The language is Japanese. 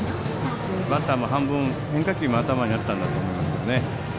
バッターも半分、変化球が頭にあったと思います。